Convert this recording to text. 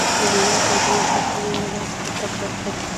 هغوی یوځای د محبوب چمن له لارې سفر پیل کړ.